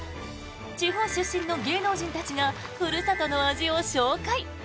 地方出身の芸能人たちがふるさとの味を紹介！